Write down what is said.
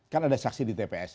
kan ada saksi di tps